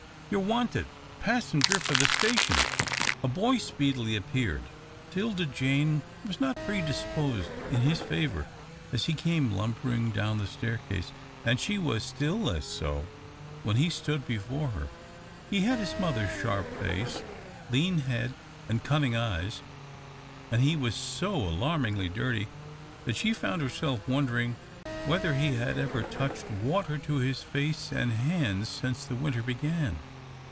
"You're wanted. Passenger for the station." A boy speedily appeared. 'Tilda Jane was not prepossessed in his favour as he came lumbering down the staircase, and she was still less so when he stood before her. He had his mother's sharp face, lean head, and cunning eyes, and he was so alarmingly dirty that she found herself wondering whether he had ever touched water to his face and hands since the winter began.